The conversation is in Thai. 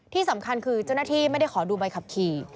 ที่สำคัญคือเจ้าหน้าที่ไม่ได้ขอดูใบขับขี่